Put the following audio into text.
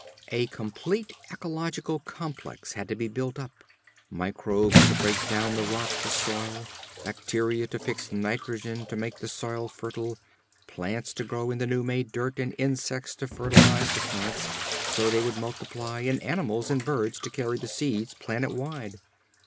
A complete ecological complex had to be built up; microbes to break down the rock for soil, bacteria to fix nitrogen to make the soil fertile; plants to grow in the new made dirt and insects to fertilize the plants so they would multiply, and animals and birds to carry the seeds planet wide.